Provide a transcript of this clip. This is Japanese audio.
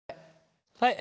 はい。